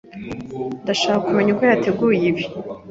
Ndashaka kumenya uko yateguye ibi.